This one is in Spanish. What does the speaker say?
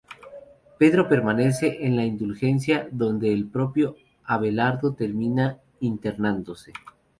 Pedro permanece en "La Indulgencia", donde el propio Abelardo termina internándose.